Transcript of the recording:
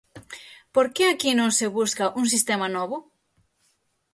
Por que aquí non se busca un sistema novo?